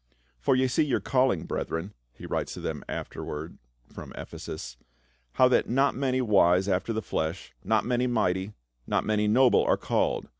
" For ye see your calling, brethren," he writes to them aftenvard from Ephesus, " how that not many wise after the flesh, not many mighty, not many noble, are called.